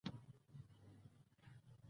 زه په کتابچه کې لیکم.